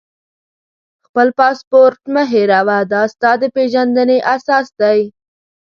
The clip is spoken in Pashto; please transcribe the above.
خپل پاسپورټ مه هېروه، دا ستا د پېژندنې اساس دی.